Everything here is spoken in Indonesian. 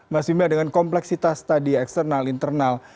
mas bima dengan kompleksitas tadi eksternal internal